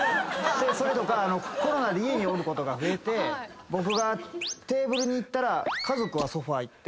それとかコロナで家におることが増えて僕がテーブルに行ったら家族はソファ行って。